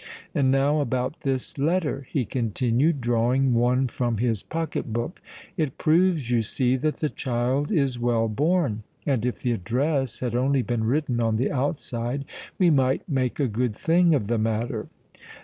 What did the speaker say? And now about this letter," he continued drawing one from his pocket book: "it proves, you see, that the child is well born—and if the address had only been written on the outside, we might make a good thing of the matter."